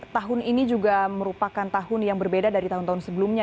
tahun ini juga merupakan tahun yang berbeda dari tahun tahun sebelumnya